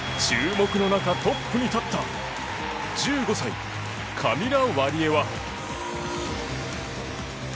注目の中、トップに立った１５歳、カミラ・ワリエワ。